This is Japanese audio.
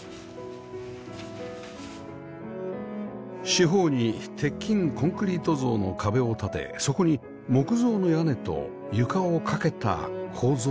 四方に鉄筋コンクリート造の壁を立てそこに木造の屋根と床を架けた構造の建物